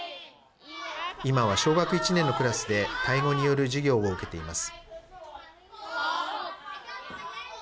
今は小学校１年のクラスでタイ語による授業を受けています。